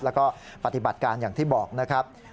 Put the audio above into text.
แล้วก็ปฏิบัติการอย่างที่บอกนะครับ